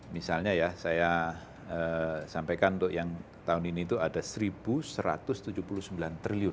misalnya ya saya sampaikan untuk yang tahun ini itu ada rp satu satu ratus tujuh puluh sembilan triliun